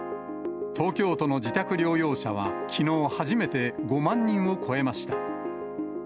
東京都の自宅療養者は、きのう初めて５万人を超えました。